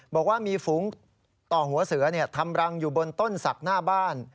บอกว่ามีฝูงต่อหัวเสือทำรังอยู่บนต้นศักดิ์หน้าบ้าน